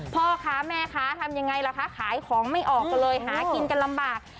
พ่อค้าแม่ค้าทำยังไงล่ะคะขายของไม่ออกก็เลยหากินกันลำบาก